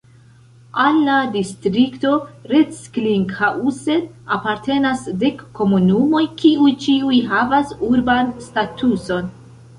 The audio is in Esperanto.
Al la distrikto Recklinghausen apartenas dek komunumoj, kiuj ĉiuj havas urban statuson.